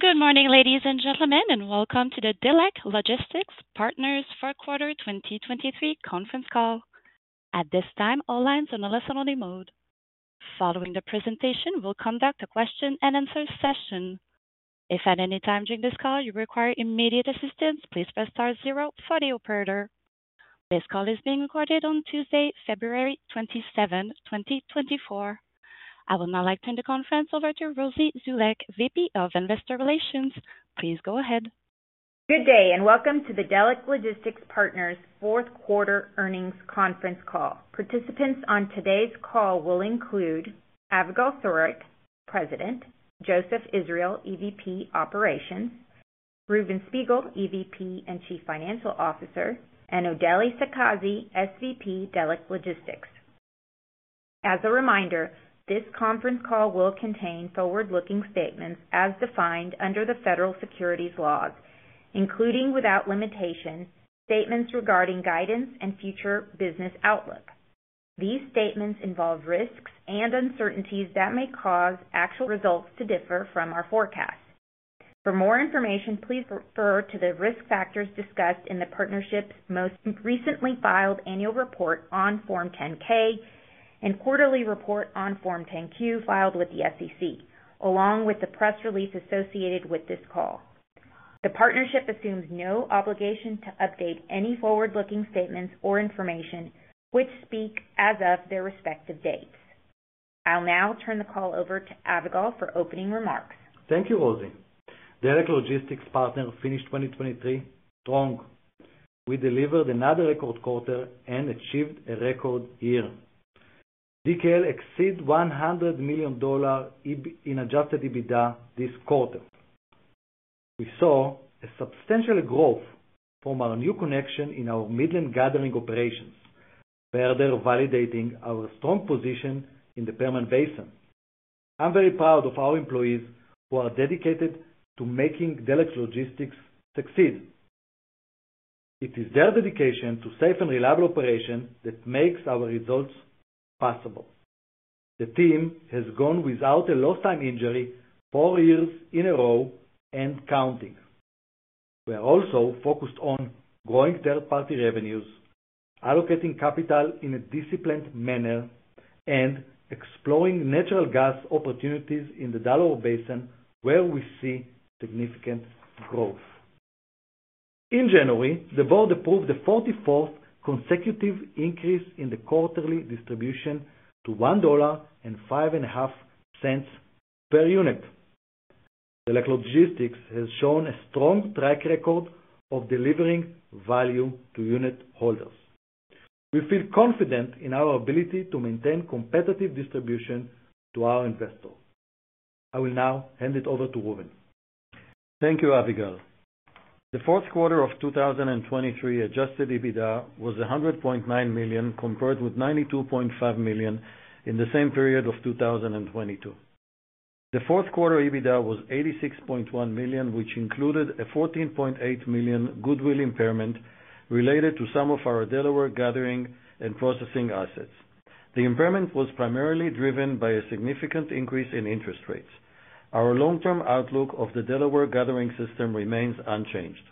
Good morning, ladies and gentlemen, and welcome to the Delek Logistics Partners for Quarter 2023 conference call. At this time, all lines are on a listen-only mode. Following the presentation, we'll conduct a question-and-answer session. If at any time during this call you require immediate assistance, please press star 0 for the operator. This call is being recorded on Tuesday, February 27, 2024. I would now like to turn the conference over to Rosy Zuklic, VP of Investor Relations. Please go ahead. Good day and welcome to the Delek Logistics Partners' Q4 earnings conference call. Participants on today's call will include Avigal Soreq, President; Joseph Israel, EVP Operations; Reuven Spiegel, EVP and Chief Financial Officer; and Odely Sakazi, SVP Delek Logistics. As a reminder, this conference call will contain forward-looking statements as defined under the federal securities laws, including without limitation statements regarding guidance and future business outlook. These statements involve risks and uncertainties that may cause actual results to differ from our forecast. For more information, please refer to the risk factors discussed in the partnership's most recently filed annual report on Form 10-K and quarterly report on Form 10-Q filed with the SEC, along with the press release associated with this call. The partnership assumes no obligation to update any forward-looking statements or information which speak as of their respective dates. I'll now turn the call over to Avigal for opening remarks. Thank you, Rosy. Delek Logistics Partners finished 2023 strong. We delivered another record quarter and achieved a record year. DKL exceeded $100 million in Adjusted EBITDA this quarter. We saw a substantial growth from our new connection in our Midland gathering operations, further validating our strong position in the Permian Basin. I'm very proud of our employees who are dedicated to making Delek Logistics succeed. It is their dedication to safe and reliable operation that makes our results possible. The team has gone without a lost-time injury four years in a row and counting. We are also focused on growing third-party revenues, allocating capital in a disciplined manner, and exploring natural gas opportunities in the Delaware Basin where we see significant growth. In January, the board approved the 44th consecutive increase in the quarterly distribution to $1.05 per unit. Delek Logistics has shown a strong track record of delivering value to unit holders. We feel confident in our ability to maintain competitive distribution to our investors. I will now hand it over to Reuven. Thank you, Avigal. The Q4 of 2023 adjusted EBITDA was $100.9 million compared with $92.5 million in the same period of 2022. The Q4 EBITDA was $86.1 million, which included a $14.8 million goodwill impairment related to some of our Delaware gathering and processing assets. The impairment was primarily driven by a significant increase in interest rates. Our long-term outlook of the Delaware gathering system remains unchanged.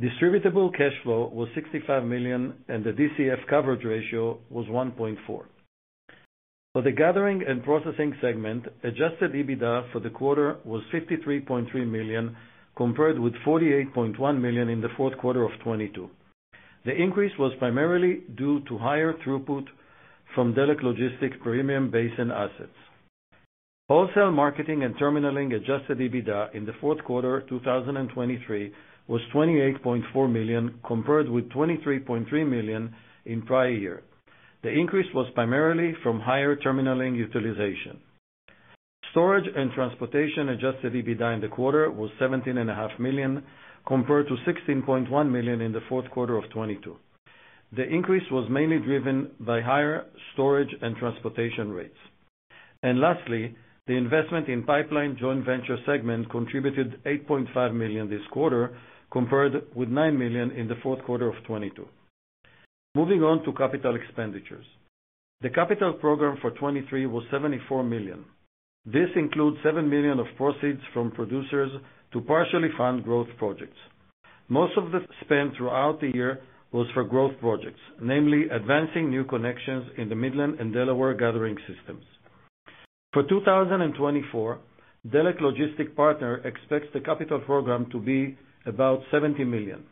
Distributable cash flow was $65 million, and the DCF coverage ratio was 1.4. For the gathering and processing segment, adjusted EBITDA for the quarter was $53.3 million compared with $48.1 million in the Q4 of 2022. The increase was primarily due to higher throughput from Delek Logistics' Permian Basin assets. Wholesale marketing and terminaling adjusted EBITDA in the Q4 2023 was $28.4 million compared with $23.3 million in prior year. The increase was primarily from higher terminaling utilization. Storage and transportation Adjusted EBITDA in the quarter was $17.5 million compared to $16.1 million in the Q4 of 2022. The increase was mainly driven by higher storage and transportation rates. Lastly, the investment in pipeline joint venture segment contributed $8.5 million this quarter compared with $9 million in the Q4 of 2022. Moving on to capital expenditures. The capital program for 2023 was $74 million. This includes $7 million of proceeds from producers to partially fund growth projects. Most of the spend throughout the year was for growth projects, namely advancing new connections in the Midland and Delaware gathering systems. For 2024, Delek Logistics Partners expects the capital program to be about $70 million.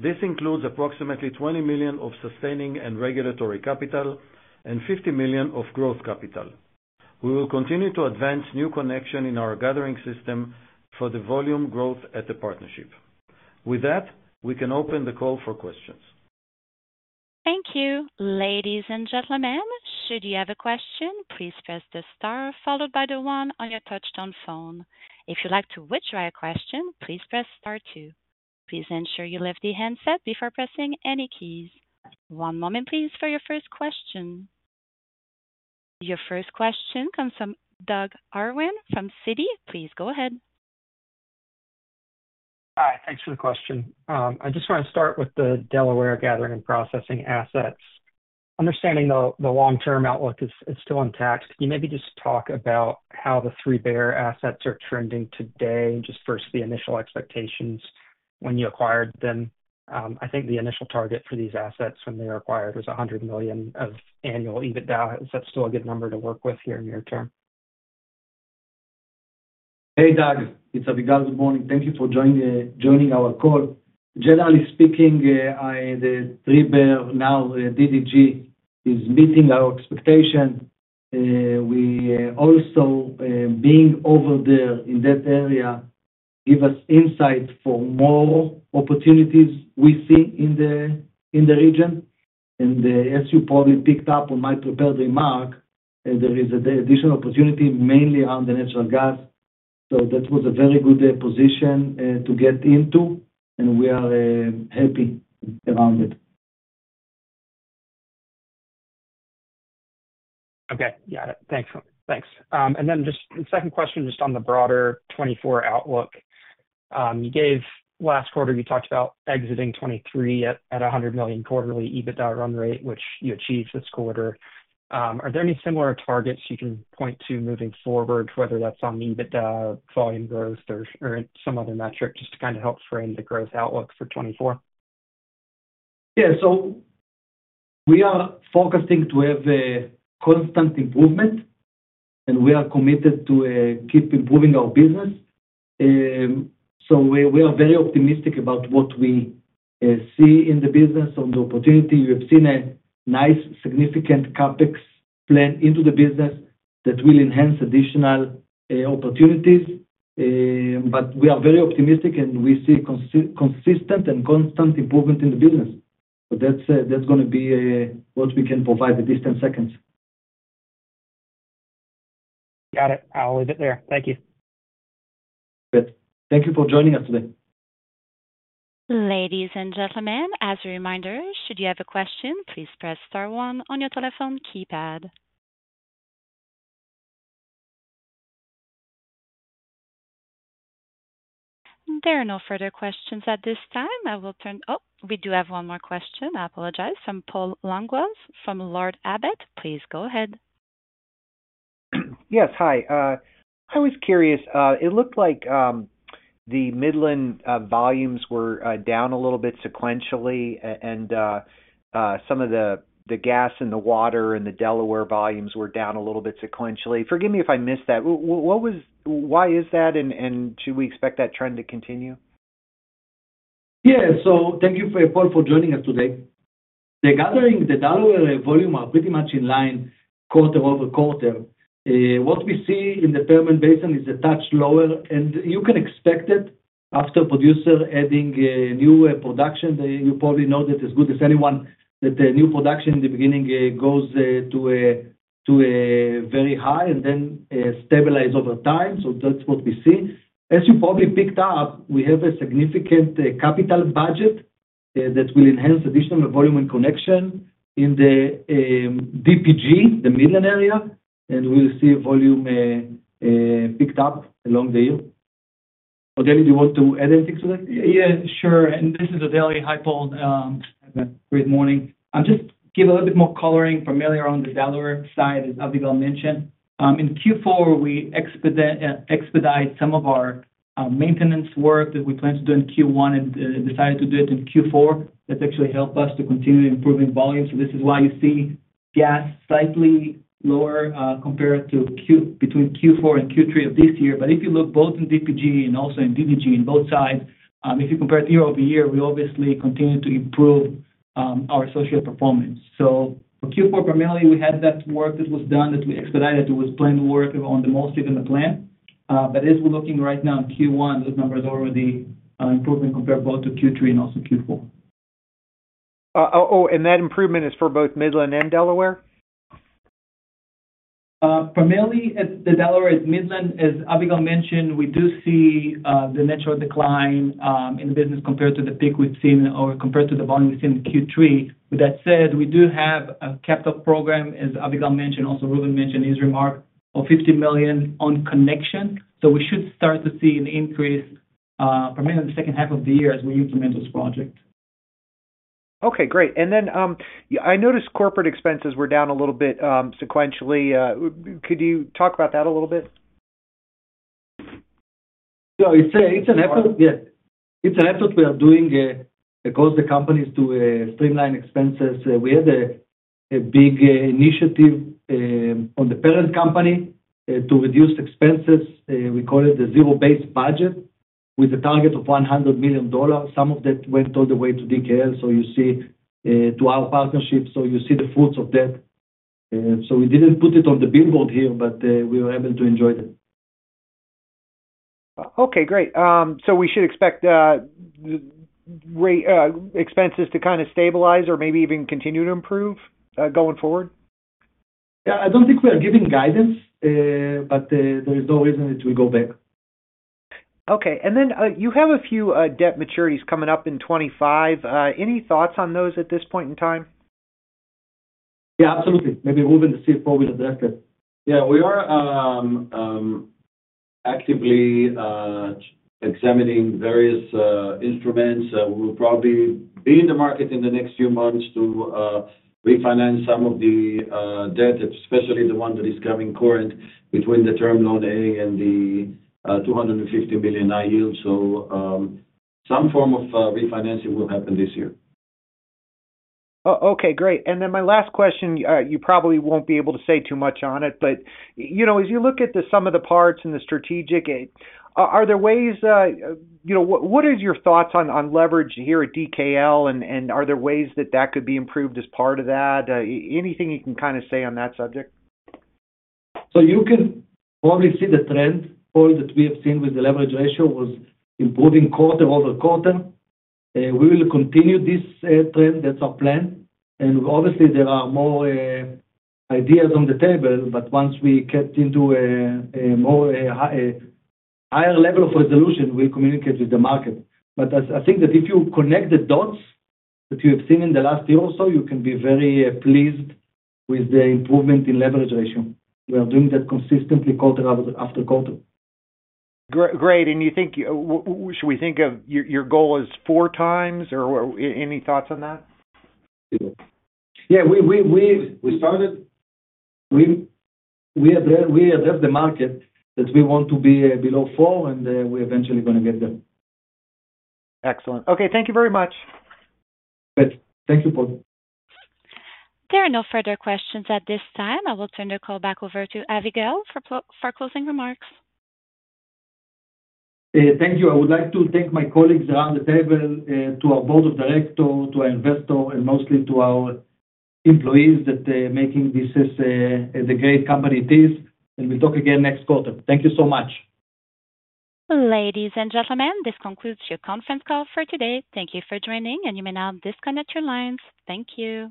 This includes approximately $20 million of sustaining and regulatory capital and $50 million of growth capital. We will continue to advance new connection in our gathering system for the volume growth at the partnership. With that, we can open the call for questions. Thank you, ladies and gentlemen. Should you have a question, please press the star followed by the 1 on your touchstone phone. If you'd like to withdraw your question, please press star 2. Please ensure you leave the handset before pressing any keys. One moment, please, for your first question. Your first question comes from Doug Irwin from Stifel. Please go ahead. Hi. Thanks for the question. I just want to start with the Delaware Gathering and processing assets. Understanding the long-term outlook, it's still untapped. Can you maybe just talk about how the ThreeBear assets are trending today, just first the initial expectations when you acquired them? I think the initial target for these assets when they were acquired was $100 million of annual EBITDA. Is that still a good number to work with here in the near term? Hey, Doug. It's Avigal. Good morning. Thank you for joining our call. Generally speaking, the ThreeBear now, DDG, is meeting our expectation. Also, being over there in that area gives us insight for more opportunities we see in the region. And as you probably picked up on my prepared remark, there is an additional opportunity, mainly around the natural gas. So that was a very good position to get into, and we are happy around it. Okay. Got it. Thanks. And then just the second question, just on the broader 2024 outlook. Last quarter, you talked about exiting 2023 at $100 million quarterly EBITDA run rate, which you achieved this quarter. Are there any similar targets you can point to moving forward, whether that's on the EBITDA, volume growth, or some other metric, just to kind of help frame the growth outlook for 2024? Yeah. So we are focusing to have constant improvement, and we are committed to keep improving our business. So we are very optimistic about what we see in the business on the opportunity. You have seen a nice, significant CapEx plan into the business that will enhance additional opportunities. But we are very optimistic, and we see consistent and constant improvement in the business. So that's going to be what we can provide the distant seconds. Got it. I'll leave it there. Thank you. Great. Thank you for joining us today. Ladies and gentlemen, as a reminder, should you have a question, please press star 1 on your telephone keypad. There are no further questions at this time. I will turn. Oh, we do have one more question. I apologize. From Paul Languels from Lord Abbett. Please go ahead. Yes. Hi. I was curious. It looked like the Midland volumes were down a little bit sequentially, and some of the gas and the water and the Delaware volumes were down a little bit sequentially. Forgive me if I missed that. Why is that, and should we expect that trend to continue? Yeah. So thank you, Paul, for joining us today. The gathering, the Delaware volume are pretty much in line quarter over quarter. What we see in the Permian Basin is a touch lower, and you can expect it after producer adding new production. You probably know that as good as anyone that new production in the beginning goes to a very high and then stabilize over time. So that's what we see. As you probably picked up, we have a significant capital budget that will enhance additional volume and connection in the DPG, the Midland area, and we'll see volume picked up along the year. Odely, do you want to add anything to that? Yeah. Sure. And this is Odely. Hi, Paul. Good morning. I'll just give a little bit more coloring, primarily around the Delaware side, as Avigal mentioned. In Q4, we expedite some of our maintenance work that we plan to do in Q1 and decided to do it in Q4. That's actually helped us to continue improving volume. So this is why you see gas slightly lower between Q4 and Q3 of this year. But if you look both in DPG and also in DDG, in both sides, if you compare it year-over-year, we obviously continue to improve our associated performance. So for Q4, primarily, we had that work that was done that we expedited. It was planned work on the most even the plan. But as we're looking right now in Q1, those numbers are already improving compared both to Q3 and also Q4. Oh, and that improvement is for both Midland and Delaware? Primarily at the Delaware at Midland. As Avigal mentioned, we do see the natural decline in the business compared to the peak we've seen or compared to the volume we've seen in Q3. With that said, we do have a capstone program, as Avigal mentioned, also Reuven mentioned in his remark, of $50 million on connection. So we should start to see an increase primarily in the second half of the year as we implement this project. Okay. Great. And then I noticed corporate expenses were down a little bit sequentially. Could you talk about that a little bit? So it's an effort. Yeah. It's an effort we are doing across the companies to streamline expenses. We had a big initiative on the parent company to reduce expenses. We call it the Zero-Based Budget with a target of $100 million. Some of that went all the way to DKL. So you see, to our partnership. So you see the fruits of that. So we didn't put it on the billboard here, but we were able to enjoy that. Okay. Great. So we should expect expenses to kind of stabilize or maybe even continue to improve going forward? Yeah. I don't think we are giving guidance, but there is no reason it will go back. Okay. Then you have a few debt maturities coming up in 2025. Any thoughts on those at this point in time? Yeah. Absolutely. Maybe Reuven to see if Paul will address that. Yeah. We are actively examining various instruments. We will probably be in the market in the next few months to refinance some of the debt, especially the one that is coming current between the Term Loan A and the $250 million high yield. So some form of refinancing will happen this year. Okay. Great. And then my last question, you probably won't be able to say too much on it, but as you look at some of the parts in the strategic, are there ways? What are your thoughts on leverage here at DKL, and are there ways that that could be improved as part of that? Anything you can kind of say on that subject? You can probably see the trend. All that we have seen with the leverage ratio was improving quarter-over-quarter. We will continue this trend. That's our plan. Obviously, there are more ideas on the table, but once we get into a higher level of resolution, we'll communicate with the market. I think that if you connect the dots that you have seen in the last year or so, you can be very pleased with the improvement in leverage ratio. We are doing that consistently quarter-over-quarter. Great. Should we think of your goal as 4x, or any thoughts on that? Yeah. We addressed the market that we want to be below 4, and we're eventually going to get there. Excellent. Okay. Thank you very much. Great. Thank you, Paul. There are no further questions at this time. I will turn the call back over to Avigal for closing remarks. Thank you. I would like to thank my colleagues around the table, to our board of directors, to our investors, and mostly to our employees that are making this the great company it is. We'll talk again next quarter. Thank you so much. Ladies and gentlemen, this concludes your conference call for today. Thank you for joining, and you may now disconnect your lines. Thank you.